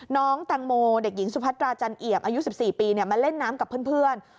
น้องแตงโมเด็กหญิงสุพัตราจันเอี่ยมอายุ๑๔ปีมาเล่นน้ำกับเพื่อน